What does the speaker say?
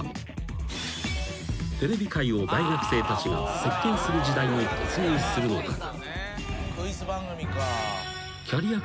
［テレビ界を大学生たちが席巻する時代に突入するのだが］